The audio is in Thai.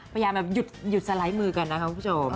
พยายามแบบหยุดสไลด์มือกันนะคะคุณผู้ชม